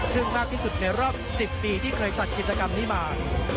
ซึ่งมากที่สุดในรอบ๑๐ปีที่เคยจัดกิจกรรมนี้มา